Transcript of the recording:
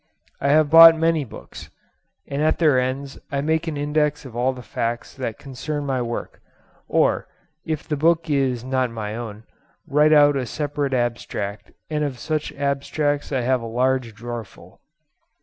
I have bought many books, and at their ends I make an index of all the facts that concern my work; or, if the book is not my own, write out a separate abstract, and of such abstracts I have a large drawer full.